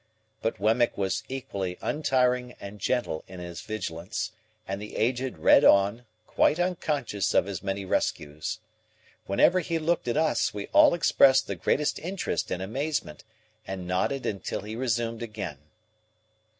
But Wemmick was equally untiring and gentle in his vigilance, and the Aged read on, quite unconscious of his many rescues. Whenever he looked at us, we all expressed the greatest interest and amazement, and nodded until he resumed again.